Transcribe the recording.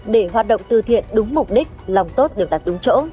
để hoạt động từ thiện đúng mục đích lòng tốt được đặt đúng chỗ